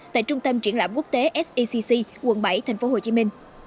tại trung tâm triển lãm quốc tế secc quận bảy tp hcm